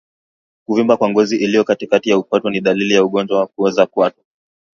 Kuvimba kwa ngozi iliyo katikati ya kwato ni dalili ya ugonjwa wa kuoza kwato